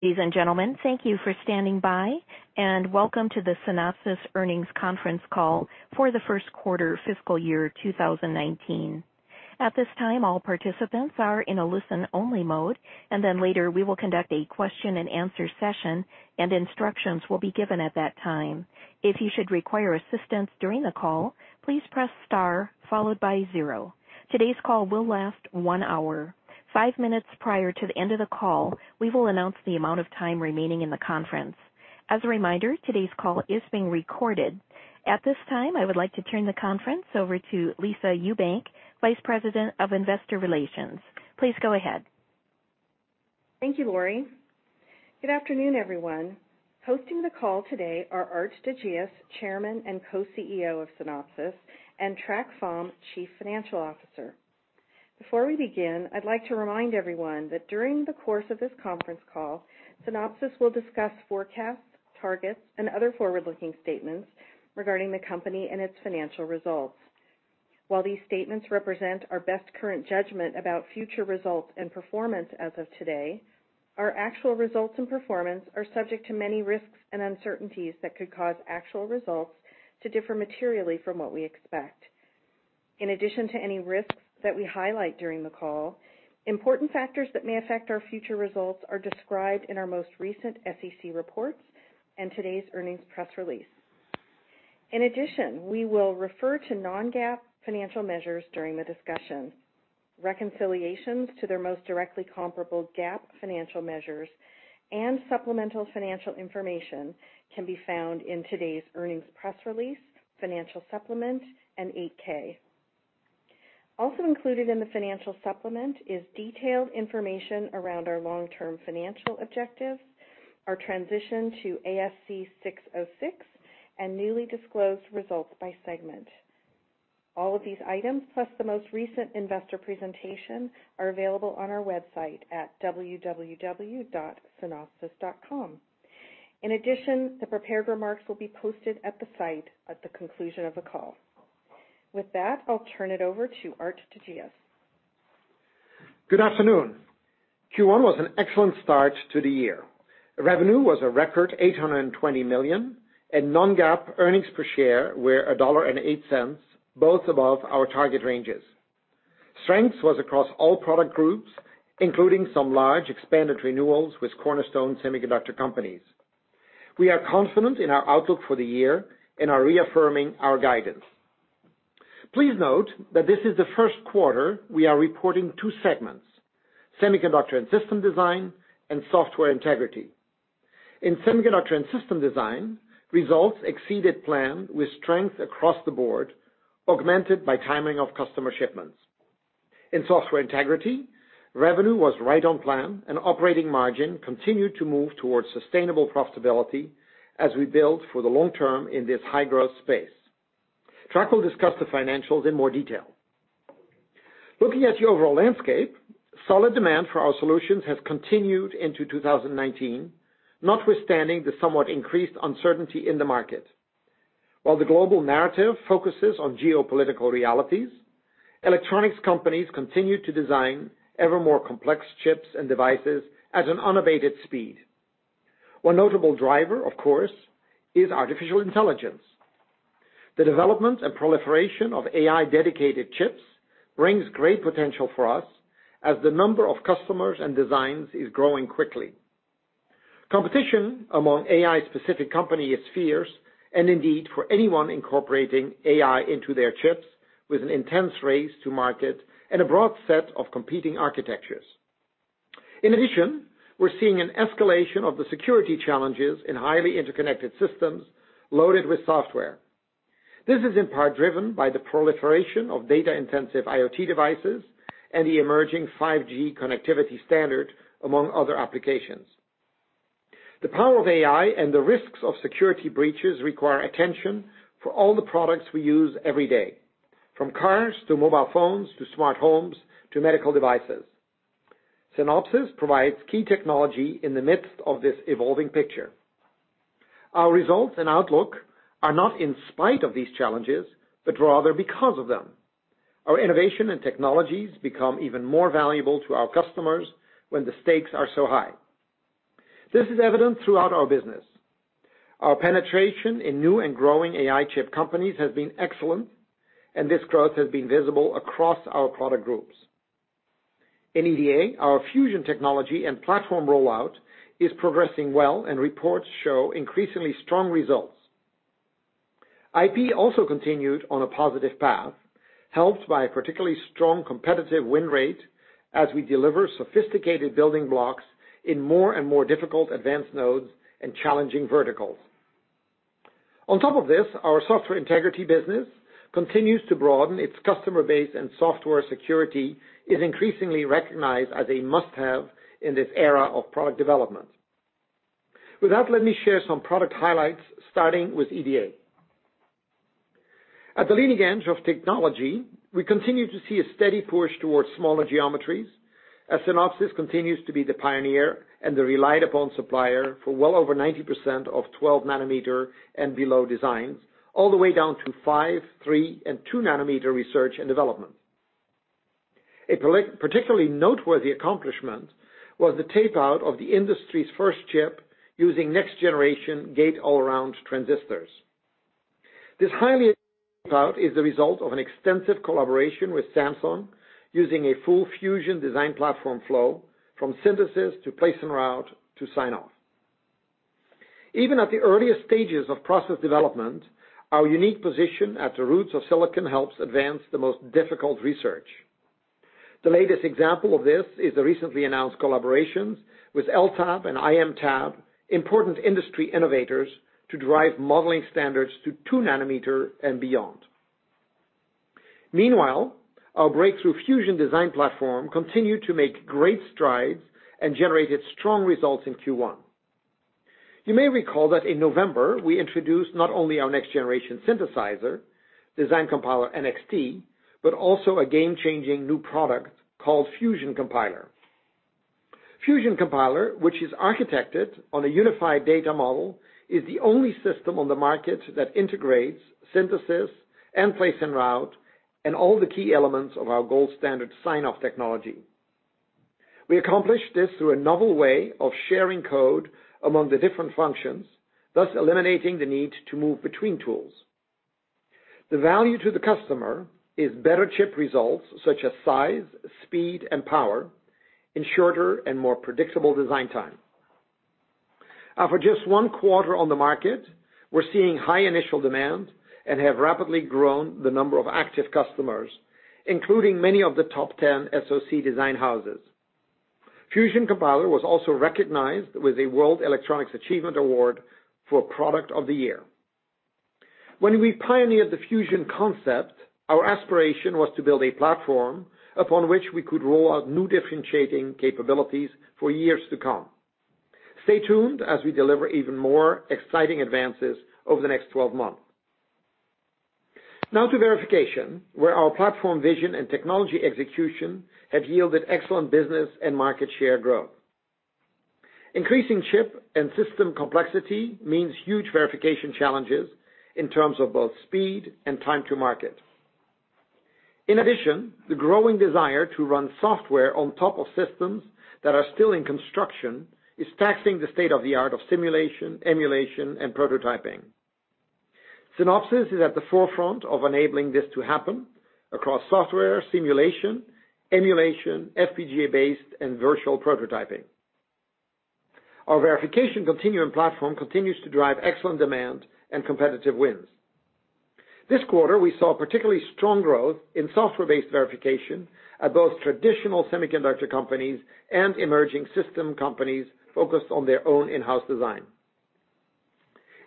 Ladies and gentlemen, thank you for standing by, and welcome to the Synopsys earnings conference call for the first quarter fiscal year 2019. At this time, all participants are in a listen-only mode. Later we will conduct a question and answer session, and instructions will be given at that time. If you should require assistance during the call, please press star followed by zero. Today's call will last one hour. Five minutes prior to the end of the call, we will announce the amount of time remaining in the conference. As a reminder, today's call is being recorded. At this time, I would like to turn the conference over to Lisa Ewbank, Vice President of Investor Relations. Please go ahead. Thank you, Laurie. Good afternoon, everyone. Hosting the call today are Aart de Geus, Chairman and Co-CEO of Synopsys, and Trac Pham, Chief Financial Officer. Before we begin, I'd like to remind everyone that during the course of this conference call, Synopsys will discuss forecasts, targets, and other forward-looking statements regarding the company and its financial results. While these statements represent our best current judgment about future results and performance as of today, our actual results and performance are subject to many risks and uncertainties that could cause actual results to differ materially from what we expect. In addition to any risks that we highlight during the call, important factors that may affect our future results are described in our most recent SEC reports and today's earnings press release. In addition, we will refer to non-GAAP financial measures during the discussion. Reconciliations to their most directly comparable GAAP financial measures and supplemental financial information can be found in today's earnings press release, financial supplement, and 8-K. Also included in the financial supplement is detailed information around our long-term financial objectives, our transition to ASC 606, and newly disclosed results by segment. All of these items, plus the most recent investor presentation, are available on our website at www.synopsys.com. In addition, the prepared remarks will be posted at the site at the conclusion of the call. With that, I'll turn it over to Aart de Geus. Good afternoon. Q1 was an excellent start to the year. Revenue was a record $820 million. Non-GAAP earnings per share were $1.08, both above our target ranges. Strength was across all product groups, including some large expanded renewals with cornerstone semiconductor companies. We are confident in our outlook for the year and are reaffirming our guidance. Please note that this is the first quarter we are reporting two segments, Semiconductor and System Design and Software Integrity. In Semiconductor and System Design, results exceeded plan with strength across the board, augmented by timing of customer shipments. In Software Integrity, revenue was right on plan. Operating margin continued to move towards sustainable profitability as we build for the long term in this high-growth space. Trac will discuss the financials in more detail. Looking at the overall landscape, solid demand for our solutions has continued into 2019, notwithstanding the somewhat increased uncertainty in the market. While the global narrative focuses on geopolitical realities, electronics companies continue to design ever more complex chips and devices at an unabated speed. One notable driver, of course, is artificial intelligence. The development and proliferation of AI-dedicated chips brings great potential for us as the number of customers and designs is growing quickly. Competition among AI-specific company is fierce and indeed for anyone incorporating AI into their chips with an intense race to market and a broad set of competing architectures. In addition, we're seeing an escalation of the security challenges in highly interconnected systems loaded with software. This is in part driven by the proliferation of data-intensive IoT devices and the emerging 5G connectivity standard, among other applications. The power of AI and the risks of security breaches require attention for all the products we use every day, from cars to mobile phones to smart homes to medical devices. Synopsys provides key technology in the midst of this evolving picture. Our results and outlook are not in spite of these challenges, but rather because of them. Our innovation and technologies become even more valuable to our customers when the stakes are so high. This is evident throughout our business. Our penetration in new and growing AI chip companies has been excellent, and this growth has been visible across our product groups. In EDA, our Fusion technology and platform rollout is progressing well, and reports show increasingly strong results. IP also continued on a positive path, helped by a particularly strong competitive win rate as we deliver sophisticated building blocks in more and more difficult advanced nodes and challenging verticals. On top of this, our Software Integrity business continues to broaden its customer base, and software security is increasingly recognized as a must-have in this era of product development. With that, let me share some product highlights, starting with EDA. At the leading edge of technology, we continue to see a steady push towards smaller geometries as Synopsys continues to be the pioneer and the relied-upon supplier for well over 90% of 12 nanometer and below designs, all the way down to five, three, and two nanometer research and development. A particularly noteworthy accomplishment was the tape out of the industry's first chip using next generation gate-all-around transistors. This highly is the result of an extensive collaboration with Samsung, using a full Fusion Design Platform flow from synthesis to place and route to sign-off. Even at the earliest stages of process development, our unique position at the roots of silicon helps advance the most difficult research. The latest example of this is the recently announced collaborations with Leti and imec, important industry innovators, to drive modeling standards to two nanometer and beyond. Meanwhile, our breakthrough Fusion Design Platform continued to make great strides and generated strong results in Q1. You may recall that in November we introduced not only our next generation synthesizer, Design Compiler NXT, but also a game-changing new product called Fusion Compiler. Fusion Compiler, which is architected on a unified data model, is the only system on the market that integrates synthesis and place and route, and all the key elements of our gold standard sign-off technology. We accomplish this through a novel way of sharing code among the different functions, thus eliminating the need to move between tools. The value to the customer is better chip results such as size, speed, and power in shorter and more predictable design time. After just one quarter on the market, we're seeing high initial demand and have rapidly grown the number of active customers, including many of the top 10 SoC design houses. Fusion Compiler was also recognized with a World Electronics Achievement Award for product of the year. When we pioneered the Fusion concept, our aspiration was to build a platform upon which we could roll out new differentiating capabilities for years to come. Stay tuned as we deliver even more exciting advances over the next 12 months. Now to verification, where our platform vision and technology execution have yielded excellent business and market share growth. Increasing chip and system complexity means huge verification challenges in terms of both speed and time to market. In addition, the growing desire to run software on top of systems that are still in construction is taxing the state of the art of simulation, emulation, and prototyping. Synopsys is at the forefront of enabling this to happen across software simulation, emulation, FPGA-based and virtual prototyping. Our Verification Continuum Platform continues to drive excellent demand and competitive wins. This quarter, we saw particularly strong growth in software-based verification at both traditional semiconductor companies and emerging system companies focused on their own in-house design.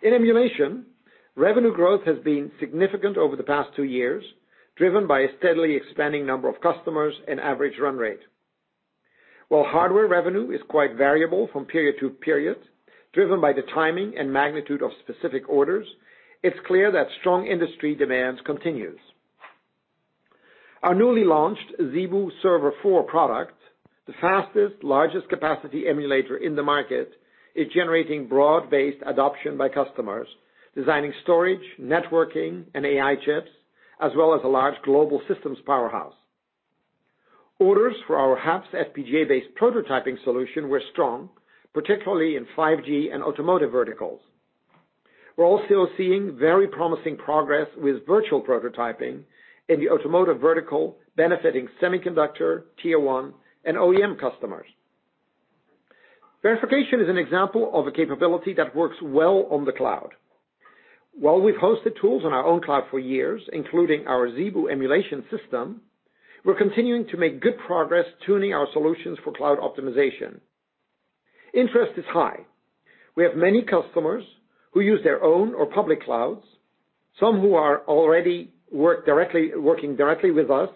In emulation, revenue growth has been significant over the past two years, driven by a steadily expanding number of customers and average run rate. While hardware revenue is quite variable from period to period, driven by the timing and magnitude of specific orders, it's clear that strong industry demands continues. Our newly launched ZeBu Server 4 product, the fastest, largest capacity emulator in the market, is generating broad-based adoption by customers designing storage, networking, and AI chips, as well as a large global systems powerhouse. Orders for our HAPS FPGA-based prototyping solution were strong, particularly in 5G and automotive verticals. We're also seeing very promising progress with virtual prototyping in the automotive vertical, benefiting semiconductor, tier 1, and OEM customers. Verification is an example of a capability that works well on the cloud. While we've hosted tools on our own cloud for years, including our ZeBu emulation system, we're continuing to make good progress tuning our solutions for cloud optimization. Interest is high. We have many customers who use their own or public clouds, some who are already working directly with us,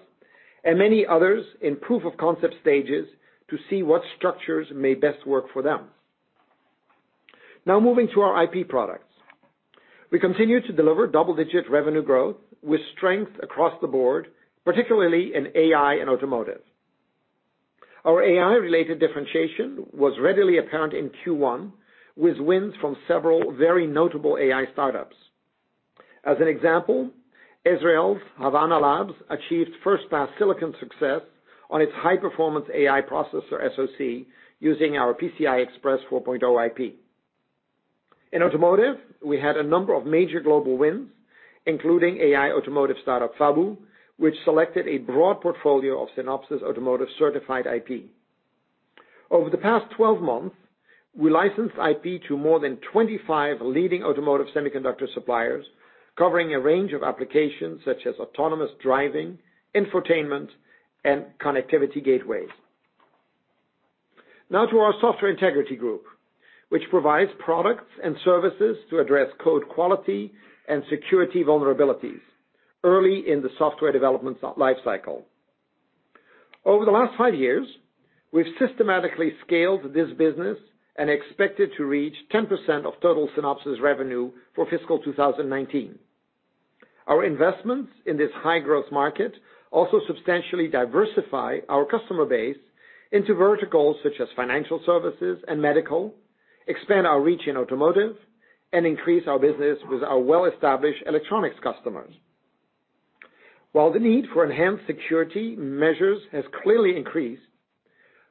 and many others in proof of concept stages to see what structures may best work for them. Now moving to our IP products. We continue to deliver double-digit revenue growth with strength across the board, particularly in AI and automotive. Our AI-related differentiation was readily apparent in Q1 with wins from several very notable AI startups. As an example, Israel's Habana Labs achieved first-class silicon success on its high-performance AI processor SoC using our PCI Express 4.0 IP. In automotive, we had a number of major global wins, including AI automotive startup Fabu, which selected a broad portfolio of Synopsys automotive certified IP. Over the past 12 months, we licensed IP to more than 25 leading automotive semiconductor suppliers, covering a range of applications such as autonomous driving, infotainment, and connectivity gateways. Now to our Software Integrity group, which provides products and services to address code quality and security vulnerabilities early in the software development lifecycle. Over the last five years, we've systematically scaled this business and expect it to reach 10% of total Synopsys revenue for fiscal 2019. Our investments in this high growth market also substantially diversify our customer base into verticals such as financial services and medical, expand our reach in automotive. Increase our business with our well-established electronics customers. While the need for enhanced security measures has clearly increased,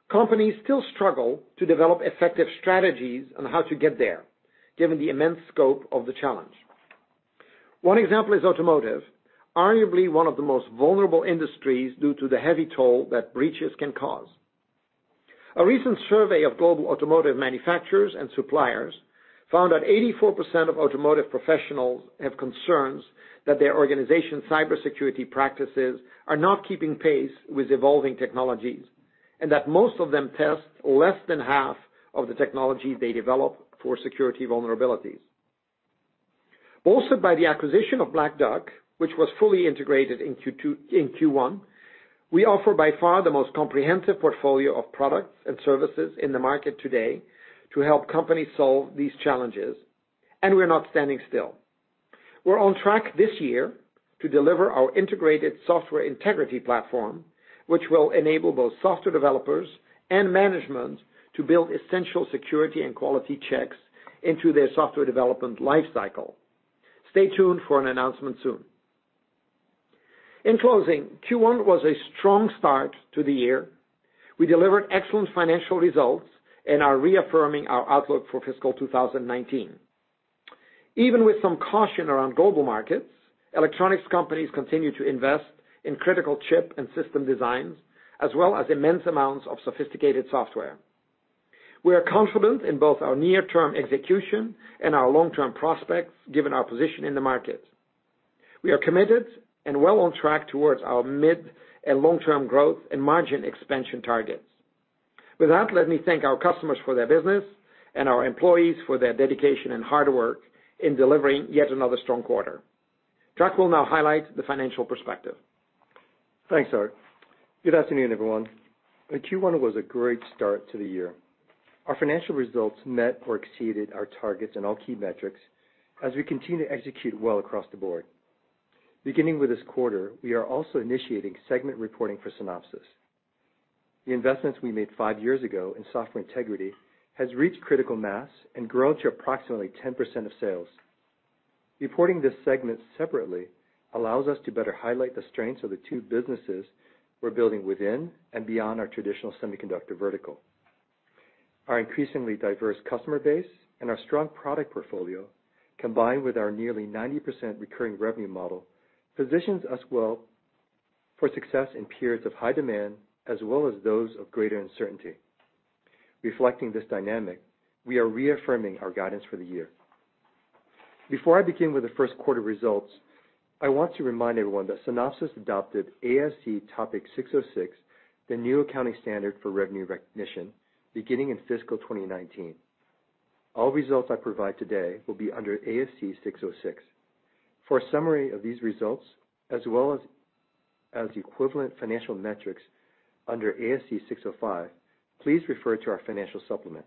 companies still struggle to develop effective strategies on how to get there, given the immense scope of the challenge. One example is automotive, arguably one of the most vulnerable industries due to the heavy toll that breaches can cause. A recent survey of global automotive manufacturers and suppliers found that 84% of automotive professionals have concerns that their organization's cybersecurity practices are not keeping pace with evolving technologies, and that most of them test less than half of the technology they develop for security vulnerabilities. Bolstered by the acquisition of Black Duck, which was fully integrated in Q1, we offer by far the most comprehensive portfolio of products and services in the market today to help companies solve these challenges. We're not standing still. We're on track this year to deliver our integrated Software Integrity platform, which will enable both software developers and management to build essential security and quality checks into their software development life cycle. Stay tuned for an announcement soon. In closing, Q1 was a strong start to the year. We delivered excellent financial results and are reaffirming our outlook for fiscal 2019. Even with some caution around global markets, electronics companies continue to invest in critical chip and system designs, as well as immense amounts of sophisticated software. We are confident in both our near-term execution and our long-term prospects, given our position in the market. We are committed and well on track towards our mid and long-term growth and margin expansion targets. With that, let me thank our customers for their business and our employees for their dedication and hard work in delivering yet another strong quarter. Trac will now highlight the financial perspective. Thanks, Aart. Good afternoon, everyone. Q1 was a great start to the year. Our financial results met or exceeded our targets in all key metrics as we continue to execute well across the board. Beginning with this quarter, we are also initiating segment reporting for Synopsys. The investments we made five years ago in Software Integrity has reached critical mass and grown to approximately 10% of sales. Reporting this segment separately allows us to better highlight the strengths of the two businesses we're building within and beyond our traditional semiconductor vertical. Our increasingly diverse customer base and our strong product portfolio, combined with our nearly 90% recurring revenue model, positions us well for success in periods of high demand, as well as those of greater uncertainty. Reflecting this dynamic, we are reaffirming our guidance for the year. Before I begin with the first quarter results, I want to remind everyone that Synopsys adopted ASC 606, the new accounting standard for revenue recognition, beginning in fiscal 2019. All results I provide today will be under ASC 606. For a summary of these results, as well as equivalent financial metrics under ASC 605, please refer to our financial supplement.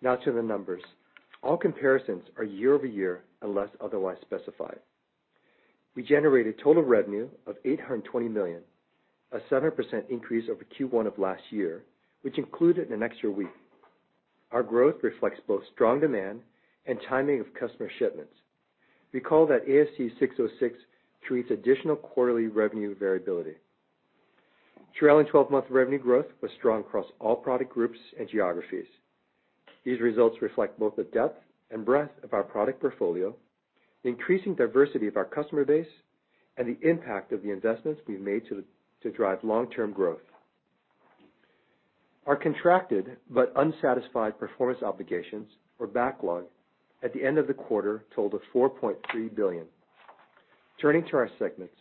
Now to the numbers. All comparisons are year-over-year unless otherwise specified. We generated total revenue of $820 million, a 7% increase over Q1 of last year, which included an extra week. Our growth reflects both strong demand and timing of customer shipments. Recall that ASC 606 treats additional quarterly revenue variability. Trailing 12-month revenue growth was strong across all product groups and geographies. These results reflect both the depth and breadth of our product portfolio, the increasing diversity of our customer base, and the impact of the investments we've made to drive long-term growth. Our contracted but unsatisfied performance obligations or backlog at the end of the quarter totaled $4.3 billion. Turning to our segments,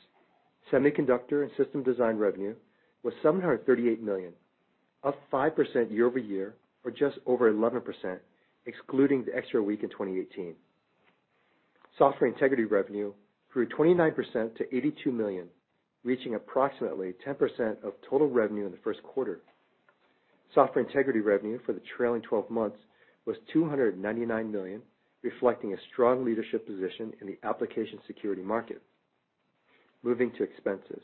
Semiconductor and System Design revenue was $738 million, up 5% year-over-year or just over 11% excluding the extra week in 2018. Software Integrity revenue grew 29% to $82 million, reaching approximately 10% of total revenue in the first quarter. Software Integrity revenue for the trailing 12 months was $299 million, reflecting a strong leadership position in the application security market. Moving to expenses.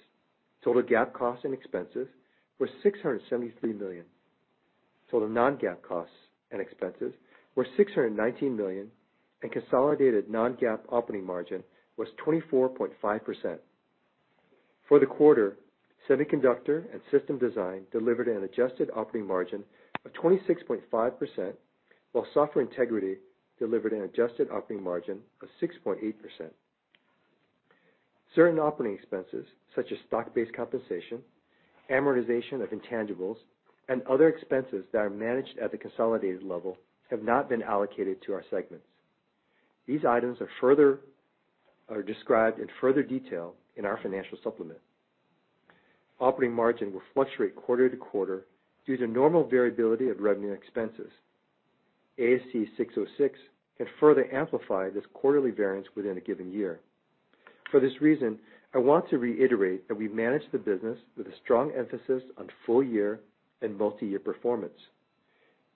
Total GAAP costs and expenses were $673 million. Total non-GAAP costs and expenses were $619 million, and consolidated non-GAAP operating margin was 24.5%. For the quarter, Semiconductor and System Design delivered an adjusted operating margin of 26.5%, while Software Integrity delivered an adjusted operating margin of 6.8%. Certain operating expenses such as stock-based compensation, amortization of intangibles, and other expenses that are managed at the consolidated level have not been allocated to our segments. These items are described in further detail in our financial supplement. Operating margin will fluctuate quarter to quarter due to normal variability of revenue expenses. ASC 606 can further amplify this quarterly variance within a given year. For this reason, I want to reiterate that we manage the business with a strong emphasis on full year and multi-year performance.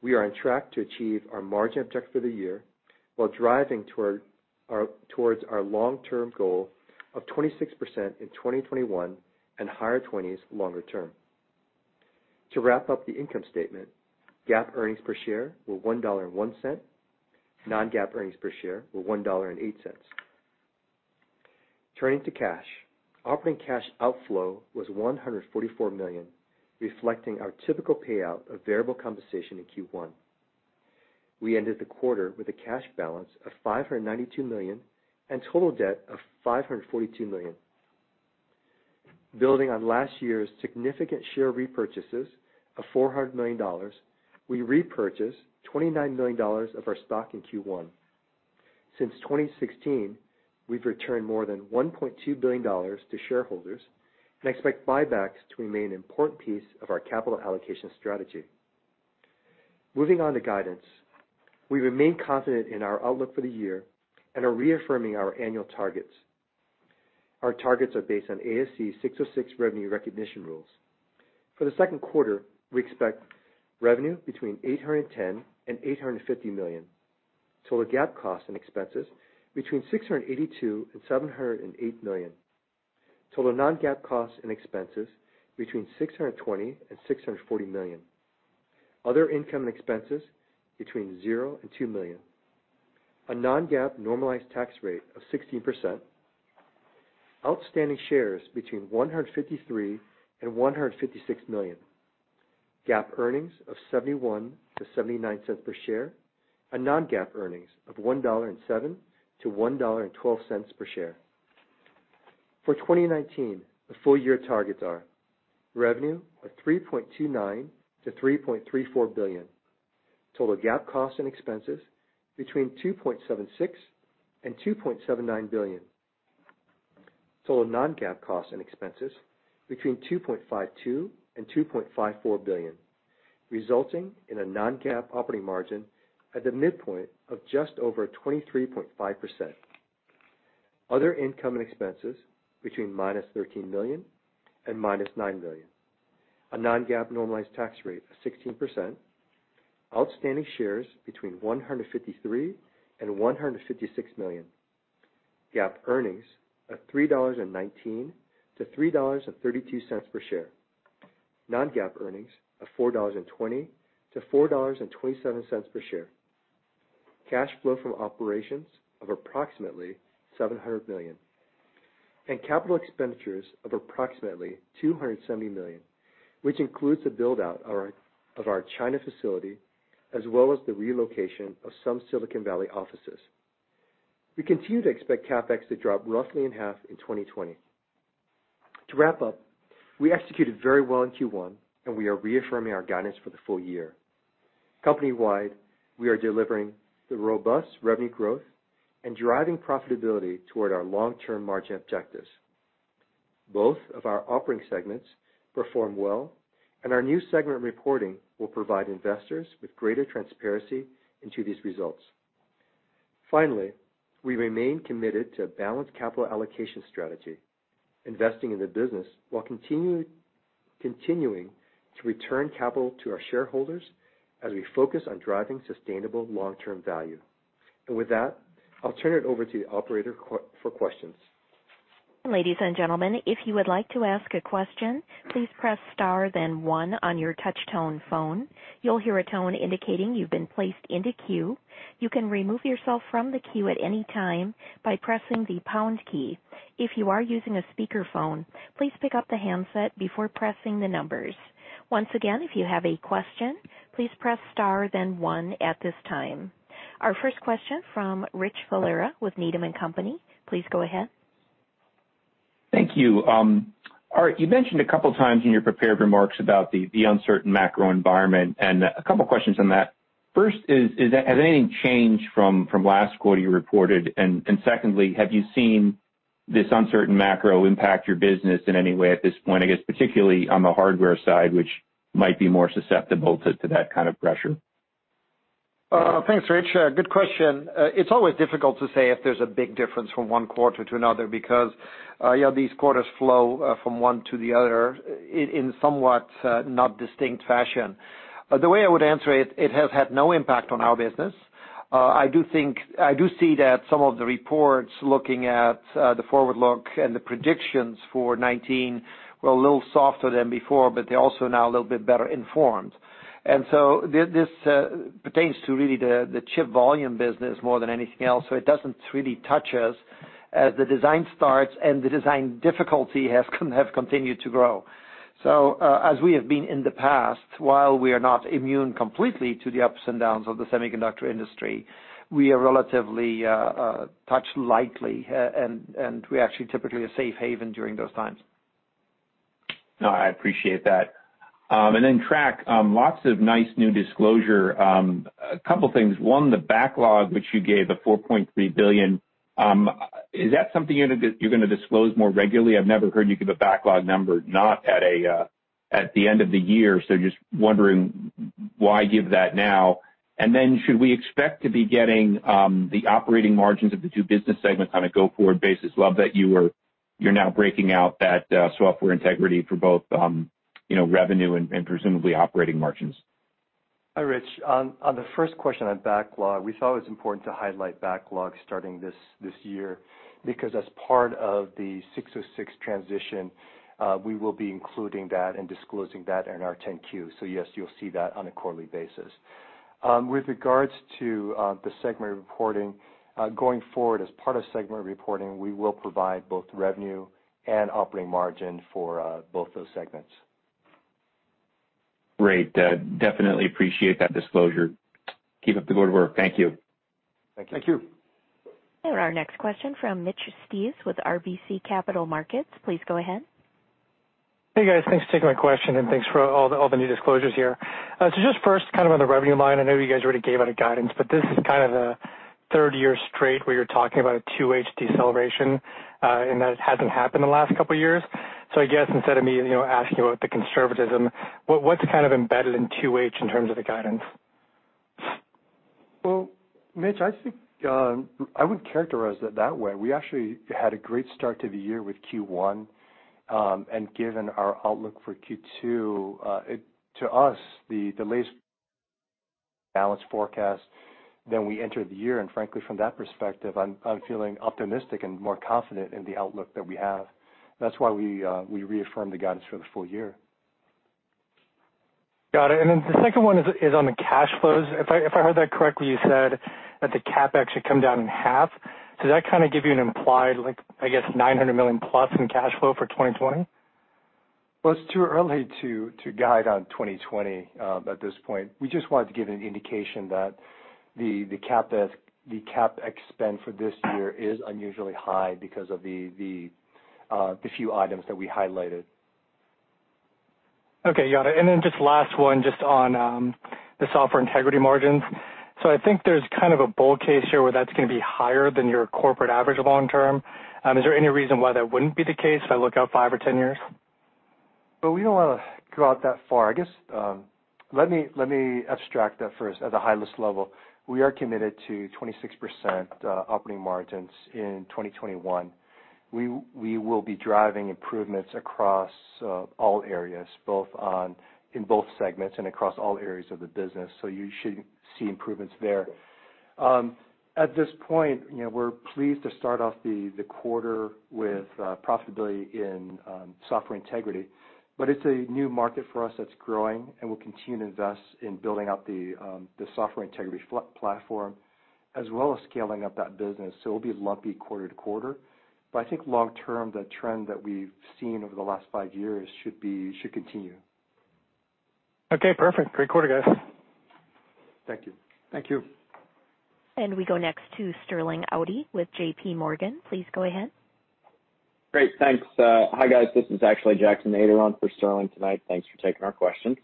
We are on track to achieve our margin objective for the year while driving towards our long-term goal of 26% in 2021 and higher 20s longer term. To wrap up the income statement, GAAP earnings per share were $1.01. Non-GAAP earnings per share were $1.08. Turning to cash, operating cash outflow was $144 million, reflecting our typical payout of variable compensation in Q1. We ended the quarter with a cash balance of $592 million and total debt of $542 million. Building on last year's significant share repurchases of $400 million, we repurchased $29 million of our stock in Q1. Since 2016, we've returned more than $1.2 billion to shareholders and expect buybacks to remain an important piece of our capital allocation strategy. Moving on to guidance, we remain confident in our outlook for the year and are reaffirming our annual targets. Our targets are based on ASC 606 revenue recognition rules. For the second quarter, we expect revenue between $810 million and $850 million. Total GAAP costs and expenses between $682 million and $708 million. Total non-GAAP costs and expenses between $620 million and $640 million. Other income and expenses between $0 and $2 million. A non-GAAP normalized tax rate of 16%. Outstanding shares between 153 million and 156 million. GAAP earnings of $0.71 to $0.79 per share, and non-GAAP earnings of $1.07 to $1.12 per share. For 2019, the full-year targets are revenue of $3.29 billion to $3.34 billion. Total GAAP costs and expenses between $2.76 billion and $2.79 billion. Total non-GAAP costs and expenses between $2.52 billion and $2.54 billion, resulting in a non-GAAP operating margin at the midpoint of just over 23.5%. Other income and expenses between -$13 million and -$9 million. A non-GAAP normalized tax rate of 16%. Outstanding shares between 153 million and 156 million. GAAP earnings of $3.19 to $3.32 per share. Non-GAAP earnings of $4.20 to $4.27 per share. Cash flow from operations of approximately $700 million. Capital expenditures of approximately $270 million, which includes the build-out of our China facility, as well as the relocation of some Silicon Valley offices. We continue to expect CapEx to drop roughly in half in 2020. To wrap up, we executed very well in Q1, and we are reaffirming our guidance for the full year. Company-wide, we are delivering the robust revenue growth and driving profitability toward our long-term margin objectives. Both of our operating segments perform well, and our new segment reporting will provide investors with greater transparency into these results. Finally, we remain committed to a balanced capital allocation strategy, investing in the business while continuing to return capital to our shareholders as we focus on driving sustainable long-term value. With that, I'll turn it over to the operator for questions. Ladies and gentlemen, if you would like to ask a question, please press star then one on your touch-tone phone. You'll hear a tone indicating you've been placed into queue. You can remove yourself from the queue at any time by pressing the pound key. If you are using a speakerphone, please pick up the handset before pressing the numbers. Once again, if you have a question, please press star then one at this time. Our first question from Richard Valera with Needham & Company. Please go ahead. Thank you. Aart, you mentioned a couple of times in your prepared remarks about the uncertain macro environment, a couple of questions on that. First, has anything changed from last quarter you reported? Secondly, have you seen this uncertain macro impact your business in any way at this point? I guess particularly on the hardware side, which might be more susceptible to that kind of pressure. Thanks, Rich. Good question. It's always difficult to say if there's a big difference from one quarter to another, because these quarters flow from one to the other in somewhat not distinct fashion. The way I would answer it has had no impact on our business. I do see that some of the reports looking at the forward look and the predictions for 2019 were a little softer than before, but they're also now a little bit better informed. This pertains to really the chip volume business more than anything else. It doesn't really touch us as the design starts and the design difficulty have continued to grow. As we have been in the past, while we are not immune completely to the ups and downs of the semiconductor industry, we are relatively touched lightly, and we actually typically are a safe haven during those times. No, I appreciate that. Trac, lots of nice new disclosure. A couple of things. One, the backlog, which you gave, the $4.3 billion. Is that something you're going to disclose more regularly? I've never heard you give a backlog number not at the end of the year. Just wondering why give that now? Should we expect to be getting the operating margins of the two business segments on a go-forward basis? Love that you're now breaking out that Software Integrity for both revenue and presumably operating margins. Hi, Rich. On the first question on backlog, we thought it was important to highlight backlog starting this year because as part of the 606 transition, we will be including that and disclosing that in our 10-Q. Yes, you'll see that on a quarterly basis. With regards to the segment reporting, going forward as part of segment reporting, we will provide both revenue and operating margin for both those segments. Great. Definitely appreciate that disclosure. Keep up the good work. Thank you. Thank you. Thank you. Our next question from Mitch Steves with RBC Capital Markets. Please go ahead. Hey, guys. Thanks for taking my question, and thanks for all the new disclosures here. Just first, on the revenue line, I know you guys already gave out a guidance, but this is the third year straight where you're talking about a 2H deceleration, and that it hasn't happened in the last couple of years. I guess instead of me asking about the conservatism, what's embedded in 2H in terms of the guidance? Well, Mitch, I think I wouldn't characterize it that way. We actually had a great start to the year with Q1. Given our outlook for Q2, to us, the least balanced forecast than we entered the year, and frankly, from that perspective, I'm feeling optimistic and more confident in the outlook that we have. That's why we reaffirmed the guidance for the full year. Got it. The second one is on the cash flows. If I heard that correctly, you said that the CapEx should come down in half. Does that give you an implied, I guess, $900 million+ in cash flow for 2020? Well, it's too early to guide on 2020 at this point. We just wanted to give an indication that the CapEx spend for this year is unusually high because of the few items that we highlighted. Okay, got it. Just last one, just on the Software Integrity margins. I think there's a bull case here where that's going to be higher than your corporate average long term. Is there any reason why that wouldn't be the case if I look out five or 10 years? Well, we don't want to go out that far. I guess, let me abstract that first at the highest level. We are committed to 26% operating margins in 2021. We will be driving improvements across all areas, in both segments and across all areas of the business. You should see improvements there. At this point, we're pleased to start off the quarter with profitability in Software Integrity, but it's a new market for us that's growing, and we'll continue to invest in building out the Software Integrity platform, as well as scaling up that business. It'll be lumpy quarter to quarter. I think long term, the trend that we've seen over the last five years should continue. Okay, perfect. Great quarter, guys. Thank you. Thank you. We go next to Sterling Auty with J.P. Morgan. Please go ahead. Great. Thanks. Hi, guys. This is actually Jackson Ader for Sterling tonight. Thanks for taking our questions.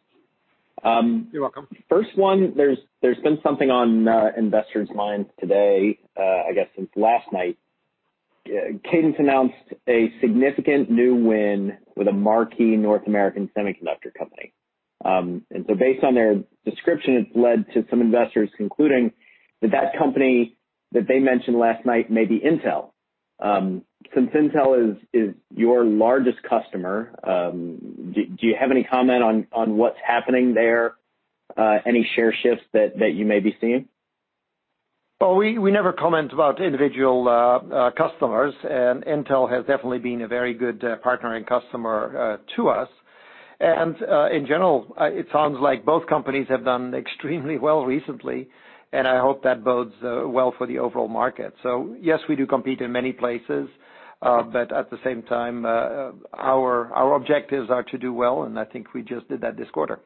You're welcome. First one, there's been something on investors' minds today, I guess since last night. Cadence announced a significant new win with a marquee North American semiconductor company. Based on their description, it's led to some investors concluding that company that they mentioned last night may be Intel. Since Intel is your largest customer, do you have any comment on what's happening there, any share shifts that you may be seeing? Well, we never comment about individual customers. Intel has definitely been a very good partner and customer to us. In general, it sounds like both companies have done extremely well recently, and I hope that bodes well for the overall market. Yes, we do compete in many places. At the same time, our objectives are to do well, and I think we just did that this quarter.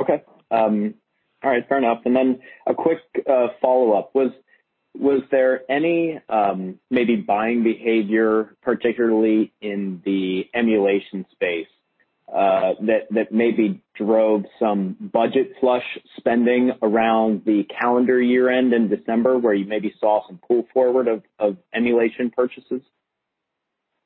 Okay. All right. Fair enough. A quick follow-up. Was there any maybe buying behavior, particularly in the emulation space, that maybe drove some budget flush spending around the calendar year-end in December, where you maybe saw some pull forward of emulation purchases?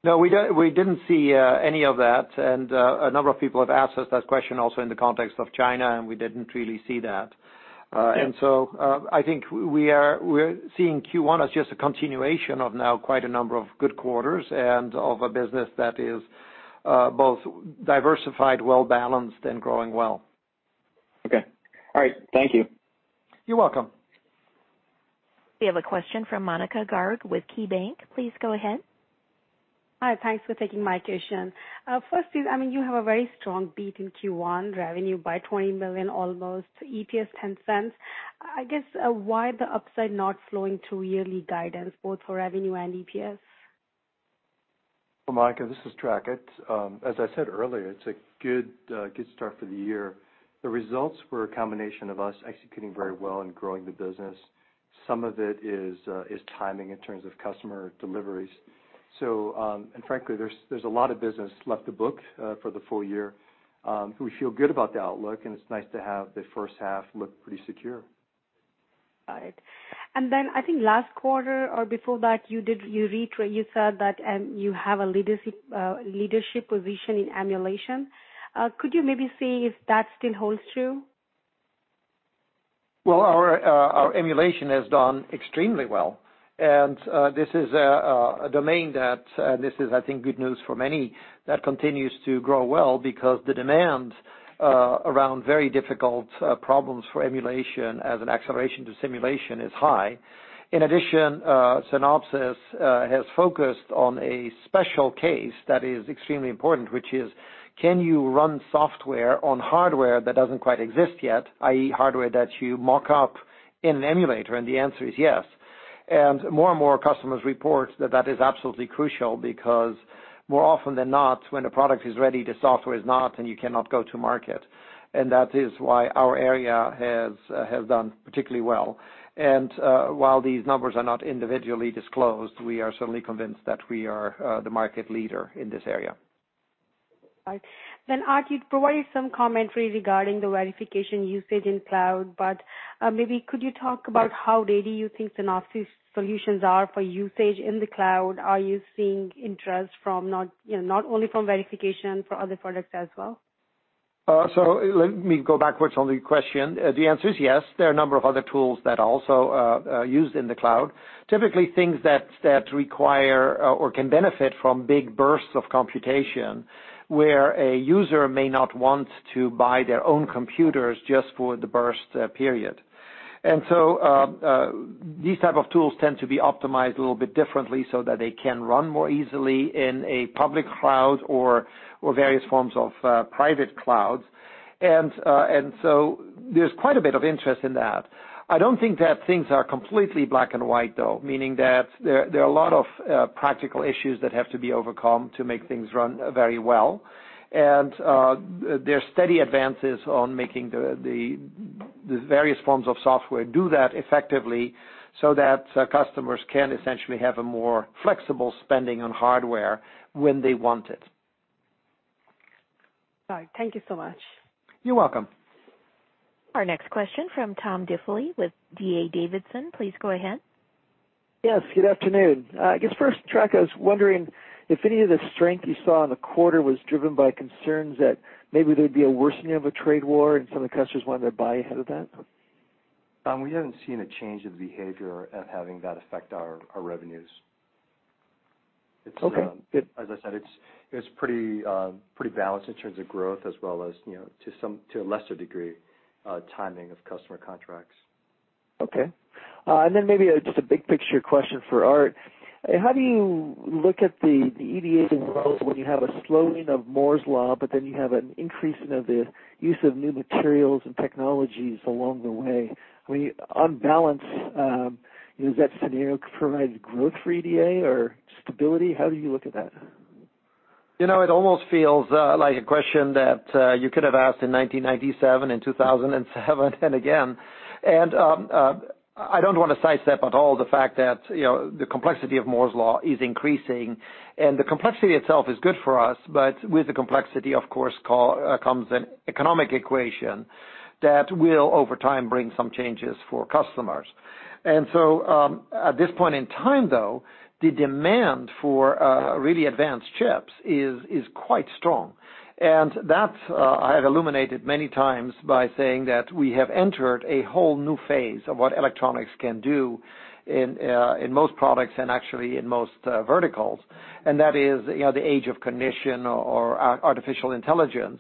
No, we didn't see any of that. A number of people have asked us that question also in the context of China, we didn't really see that. Yeah. I think we're seeing Q1 as just a continuation of now quite a number of good quarters and of a business that is both diversified, well-balanced, and growing well. Okay. All right. Thank you. You're welcome. We have a question from Monika Garg with KeyBanc. Please go ahead. Hi. Thanks for taking my question. First is, you have a very strong beat in Q1, revenue by $20 million almost, EPS $0.10. I guess why the upside not flowing through yearly guidance, both for revenue and EPS? Monika, this is Trac. As I said earlier, it's a good start for the year. The results were a combination of us executing very well and growing the business. Some of it is timing in terms of customer deliveries. Frankly, there's a lot of business left to book for the full year. We feel good about the outlook, it's nice to have the first half look pretty secure. Got it. Then I think last quarter or before that, you said that you have a leadership position in emulation. Could you maybe say if that still holds true? Well, our emulation has done extremely well. This is a domain that, I think, good news for many, that continues to grow well because the demand around very difficult problems for emulation as an acceleration to simulation is high. In addition, Synopsys has focused on a special case that is extremely important, which is, can you run software on hardware that doesn't quite exist yet, i.e., hardware that you mock up in an emulator? The answer is yes. More and more customers report that that is absolutely crucial because more often than not, when a product is ready, the software is not, and you cannot go to market. That is why our area has done particularly well. While these numbers are not individually disclosed, we are certainly convinced that we are the market leader in this area. All right. Aart, you provided some commentary regarding the verification usage in cloud, maybe could you talk about how ready you think Synopsys solutions are for usage in the cloud? Are you seeing interest not only from verification, for other products as well? Let me go backwards on the question. The answer is yes. There are a number of other tools that also are used in the cloud. Typically, things that require or can benefit from big bursts of computation, where a user may not want to buy their own computers just for the burst period. These type of tools tend to be optimized a little bit differently so that they can run more easily in a public cloud or various forms of private clouds. There's quite a bit of interest in that. I don't think that things are completely black and white, though, meaning that there are a lot of practical issues that have to be overcome to make things run very well. There are steady advances on making the various forms of software do that effectively so that customers can essentially have a more flexible spending on hardware when they want it. All right. Thank you so much. You're welcome. Our next question from Tom Diffely with D.A. Davidson. Please go ahead. Yes, good afternoon. I guess first, Trac, I was wondering if any of the strength you saw in the quarter was driven by concerns that maybe there'd be a worsening of a trade war and some of the customers wanted to buy ahead of that? We haven't seen a change in behavior of having that affect our revenues. Okay. As I said, it's pretty balanced in terms of growth as well as, to a lesser degree, timing of customer contracts. Okay. Maybe just a big picture question for Aart. How do you look at the EDA growth when you have a slowing of Moore's law, but then you have an increase in the use of new materials and technologies along the way? On balance, does that scenario provide growth for EDA or stability? How do you look at that? It almost feels like a question that you could have asked in 1997, in 2007 and again. I don't want to sidestep at all the fact that the complexity of Moore's law is increasing, and the complexity itself is good for us, but with the complexity, of course, comes an economic equation that will, over time, bring some changes for customers. At this point in time, though, the demand for really advanced chips is quite strong. That I have illuminated many times by saying that we have entered a whole new phase of what electronics can do in most products and actually in most verticals. That is the age of cognition or artificial intelligence,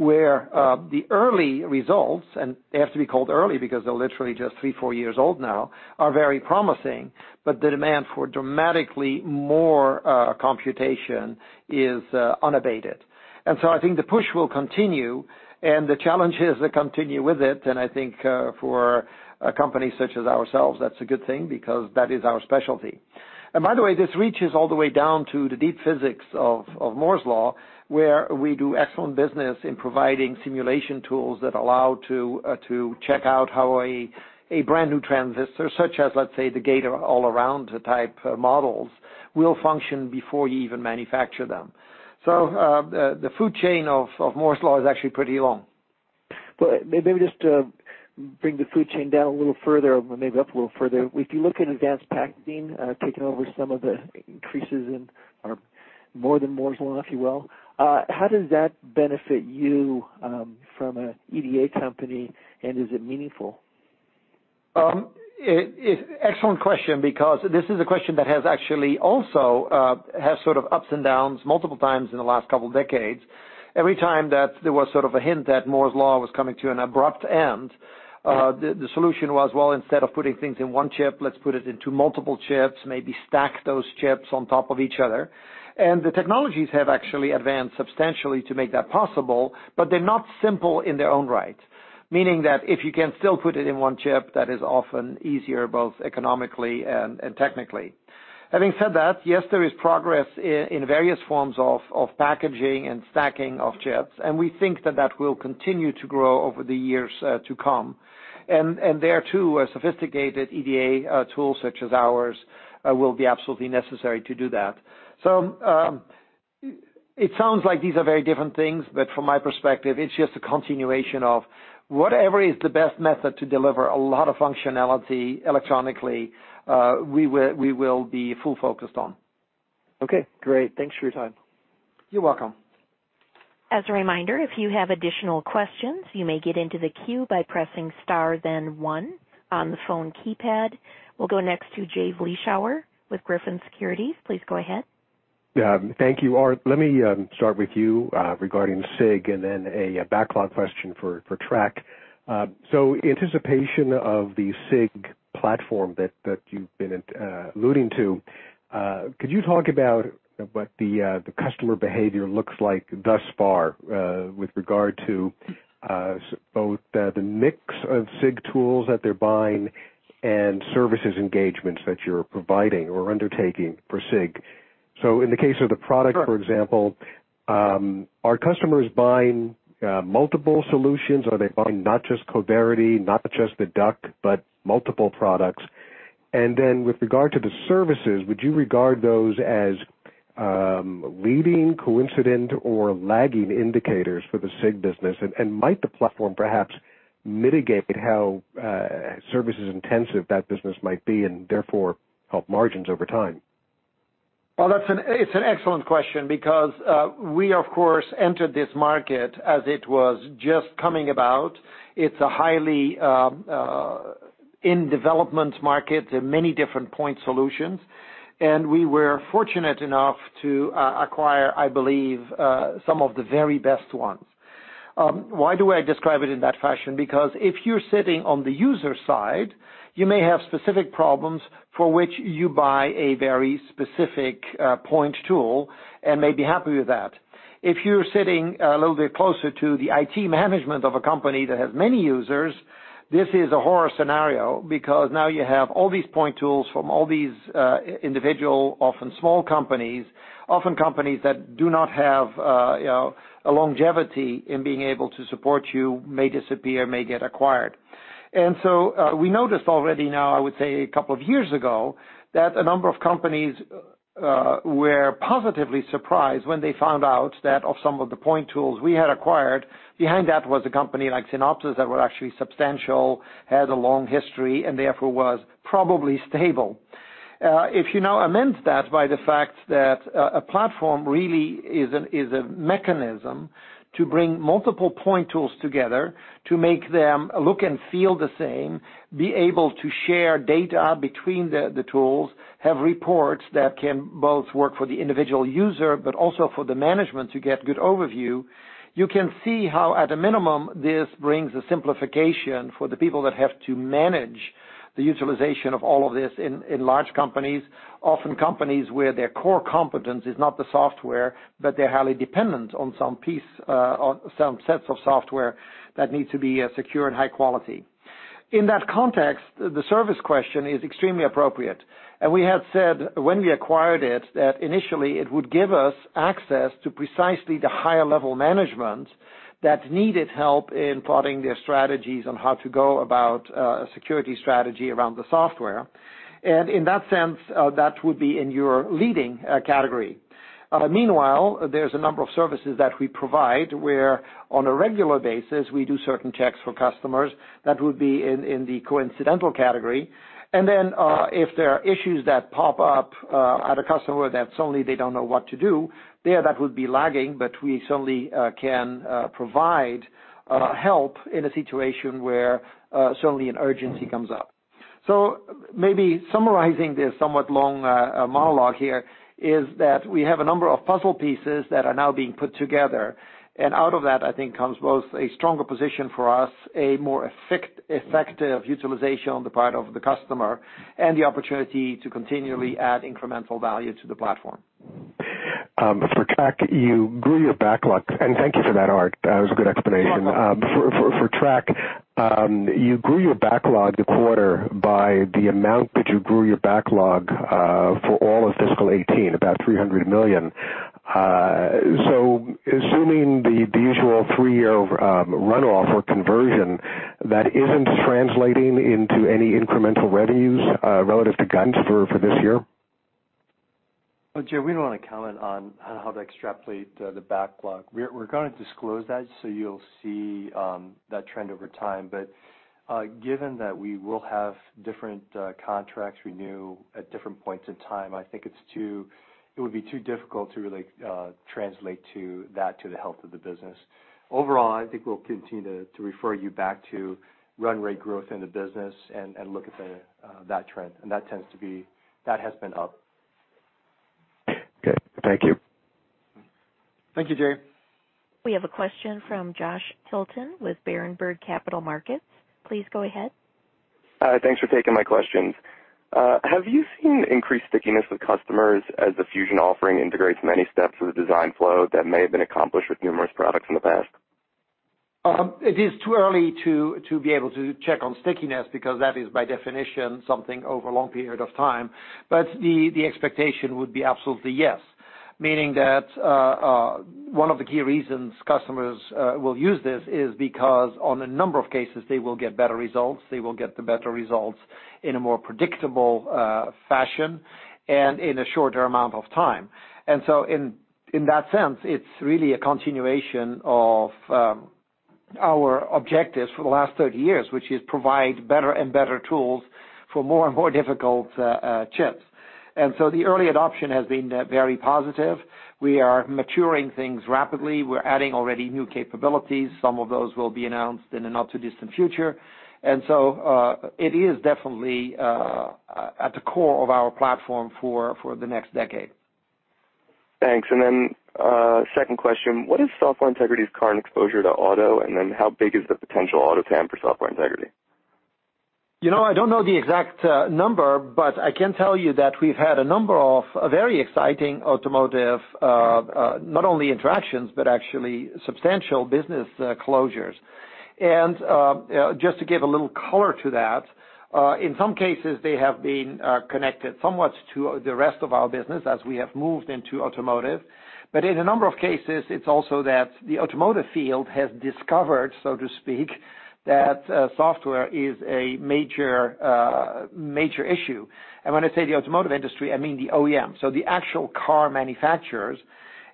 where the early results, and they have to be called early because they're literally just three, four years old now, are very promising, but the demand for dramatically more computation is unabated. I think the push will continue and the challenges that continue with it, and I think for a company such as ourselves, that's a good thing because that is our specialty. By the way, this reaches all the way down to the deep physics of Moore's law, where we do excellent business in providing simulation tools that allow to check out how a brand-new transistor, such as, let's say, the gate-all-around type models, will function before you even manufacture them. The food chain of Moore's law is actually pretty long. Maybe just to bring the food chain down a little further or maybe up a little further. If you look at advanced packaging taking over some of the increases in or more than Moore's law, if you will, how does that benefit you from an EDA company, and is it meaningful? Excellent question, because this is a question that has actually also had sort of ups and downs multiple times in the last couple of decades. Every time that there was sort of a hint that Moore's law was coming to an abrupt end, the solution was, well, instead of putting things in one chip, let's put it into multiple chips, maybe stack those chips on top of each other. The technologies have actually advanced substantially to make that possible, but they're not simple in their own right. Meaning that if you can still put it in one chip, that is often easier, both economically and technically. Having said that, yes, there is progress in various forms of packaging and stacking of chips, and we think that that will continue to grow over the years to come. There, too, a sophisticated EDA tool such as ours will be absolutely necessary to do that. It sounds like these are very different things, but from my perspective, it's just a continuation of whatever is the best method to deliver a lot of functionality electronically, we will be full focused on. Okay, great. Thanks for your time. You're welcome. As a reminder, if you have additional questions, you may get into the queue by pressing star then one on the phone keypad. We'll go next to Jay Vleeschhouwer with Griffin Securities. Please go ahead. Thank you. Aart, let me start with you regarding SIG and then a backlog question for Trac. Anticipation of the SIG platform that you've been alluding to, could you talk about what the customer behavior looks like thus far with regard to both the mix of SIG tools that they're buying and services engagements that you're providing or undertaking for SIG? In the case of the product, for example, are customers buying multiple solutions? Are they buying not just Coverity, not just the Duck, but multiple products? And then with regard to the services, would you regard those as leading coincident or lagging indicators for the SIG business? Might the platform perhaps mitigate how services intensive that business might be and therefore help margins over time? Well, it's an excellent question because we, of course, entered this market as it was just coming about. It's a highly in-development market and many different point solutions, and we were fortunate enough to acquire, I believe, some of the very best ones. Why do I describe it in that fashion? Because if you're sitting on the user side, you may have specific problems for which you buy a very specific point tool and may be happy with that. If you're sitting a little bit closer to the IT management of a company that has many users, this is a horror scenario because now you have all these point tools from all these individual, often small companies, often companies that do not have a longevity in being able to support you, may disappear, may get acquired. We noticed already now, I would say a couple of years ago, that a number of companies were positively surprised when they found out that of some of the point tools we had acquired, behind that was a company like Synopsys that were actually substantial, had a long history, and therefore was probably stable. If you now amend that by the fact that a platform really is a mechanism to bring multiple point tools together to make them look and feel the same, be able to share data between the tools, have reports that can both work for the individual user, but also for the management to get good overview. You can see how, at a minimum, this brings a simplification for the people that have to manage the utilization of all of this in large companies, often companies where their core competence is not the software, but they're highly dependent on some sets of software that need to be secure and high quality. In that context, the service question is extremely appropriate. We had said when we acquired it that initially it would give us access to precisely the higher-level management that needed help in plotting their strategies on how to go about a security strategy around the software. In that sense, that would be in your leading category. Meanwhile, there's a number of services that we provide where on a regular basis, we do certain checks for customers that would be in the coincidental category. If there are issues that pop up at a customer that suddenly they don't know what to do, there that would be lagging, but we certainly can provide help in a situation where suddenly an urgency comes up. Maybe summarizing this somewhat long monologue here is that we have a number of puzzle pieces that are now being put together. Out of that, I think comes both a stronger position for us, a more effective utilization on the part of the customer, and the opportunity to continually add incremental value to the platform. For Trac, you grew your backlog. Thank you for that, Aart. That was a good explanation. You're welcome. For Trac, you grew your backlog the quarter by the amount that you grew your backlog for all of fiscal 2018, about $300 million. Assuming the usual three-year run-off or conversion, that isn't translating into any incremental revenues relative to guidance for this year? Well, Jay, we don't want to comment on how to extrapolate the backlog. We're going to disclose that, you'll see that trend over time. Given that we will have different contracts renew at different points in time, I think it would be too difficult to really translate to that to the health of the business. Overall, I think we'll continue to refer you back to run rate growth in the business and look at that trend. That has been up. Okay. Thank you. Thank you, Jay. We have a question from Joshua Tilton with Berenberg Capital Markets. Please go ahead. Thanks for taking my questions. Have you seen increased stickiness with customers as the Fusion offering integrates many steps of the design flow that may have been accomplished with numerous products in the past? It is too early to be able to check on stickiness because that is by definition something over a long period of time. The expectation would be absolutely yes, meaning that one of the key reasons customers will use this is because on a number of cases, they will get better results, they will get the better results in a more predictable fashion and in a shorter amount of time. In that sense, it's really a continuation of our objectives for the last 30 years, which is provide better and better tools for more and more difficult chips. The early adoption has been very positive. We are maturing things rapidly. We're adding already new capabilities. Some of those will be announced in the not-too-distant future. It is definitely at the core of our platform for the next decade. Thanks. Second question, what is Software Integrity's current exposure to auto, and then how big is the potential auto TAM for Software Integrity? I don't know the exact number, but I can tell you that we've had a number of very exciting automotive, not only interactions, but actually substantial business closures. Just to give a little color to that, in some cases, they have been connected somewhat to the rest of our business as we have moved into automotive. In a number of cases, it's also that the automotive field has discovered, so to speak, that software is a major issue. When I say the automotive industry, I mean the OEM, so the actual car manufacturers.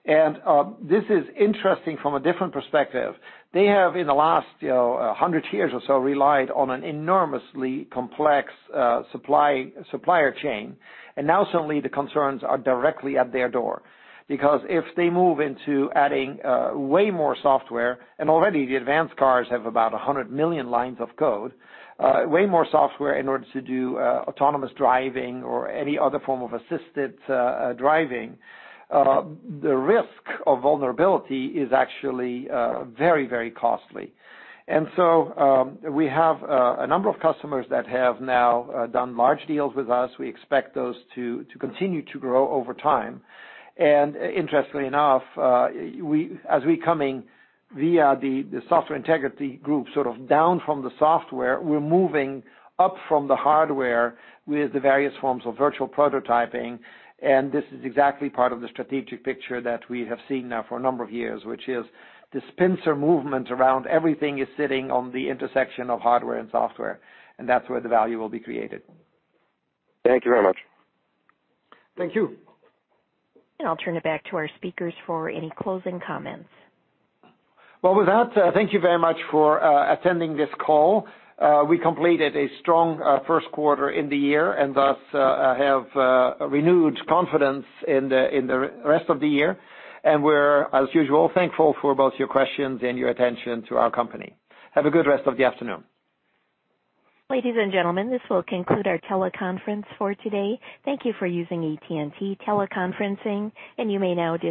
This is interesting from a different perspective. They have, in the last 100 years or so, relied on an enormously complex supplier chain, and now suddenly the concerns are directly at their door. If they move into adding way more software, and already the advanced cars have about 100 million lines of code, way more software in order to do autonomous driving or any other form of assisted driving, the risk of vulnerability is actually very costly. We have a number of customers that have now done large deals with us. We expect those to continue to grow over time. Interestingly enough, as we coming via the Software Integrity group, sort of down from the software, we're moving up from the hardware with the various forms of virtual prototyping, and this is exactly part of the strategic picture that we have seen now for a number of years, which is this pincer movement around everything is sitting on the intersection of hardware and software, and that's where the value will be created. Thank you very much. Thank you. I'll turn it back to our speakers for any closing comments. Well, with that, thank you very much for attending this call. We completed a strong first quarter in the year and thus have renewed confidence in the rest of the year. We're, as usual, thankful for both your questions and your attention to our company. Have a good rest of the afternoon. Ladies and gentlemen, this will conclude our teleconference for today. Thank you for using AT&T Teleconferencing, and you may now disconnect.